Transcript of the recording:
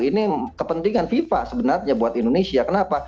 ini kepentingan fifa sebenarnya buat indonesia kenapa